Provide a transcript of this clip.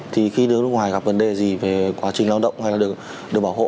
thì khi nước ngoài gặp vấn đề gì về quá trình lao động hay là được bảo hộ